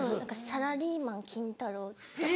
『サラリーマン金太郎』とか。